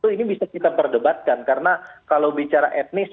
ini bisa kita perdebatkan karena kalau bicara etnis